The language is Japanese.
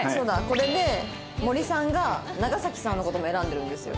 これで森さんが長さんの事も選んでるんですよ。